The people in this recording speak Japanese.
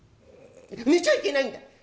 寝ちゃいけないんだ。